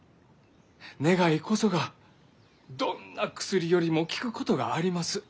願いこそがどんな薬よりも効くことがあります。